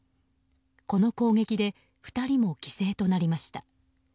この攻撃で２人も犠牲となりました。